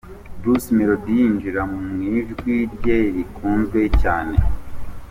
Bruce Melodie yinjira mu ijwi rye rikunzwe cyane.